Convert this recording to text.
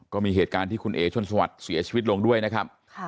ก็มีเหตุการณ์ที่คุณเอ๋ชนสวัสดิ์เสียชีวิตลงด้วยนะครับ